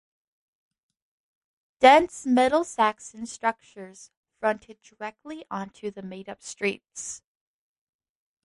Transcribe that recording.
Dense Middle-Saxon structures fronted directly onto the made-up streets.